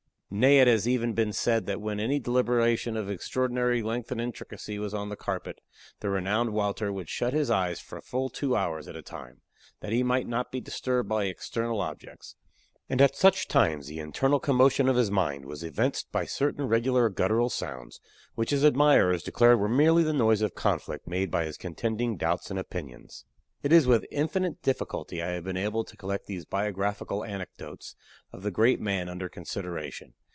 Nay, it has even been said that when any deliberation of extraordinary length and intricacy was on the carpet, the renowned Wouter would shut his eyes for full two hours at a time, that he might not be disturbed by external objects; and at such times the internal commotion of his mind was evinced by certain regular guttural sounds, which his admirers declared were merely the noise of conflict made by his contending doubts and opinions. It is with infinite difficulty I have been enabled to collect these biographical anecdotes of the great man under consideration.